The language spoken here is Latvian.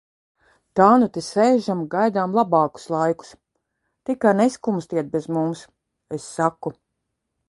Tā nu te sēžam, gaidām labākus laikus. Tikai neskumstiet bez mums, – es saku...